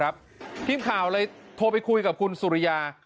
ทีมข่าวเลยโทรไปคุยกับคุณสุริยา